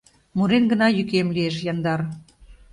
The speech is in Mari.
Мурен гына йӱкем лиеш яндар.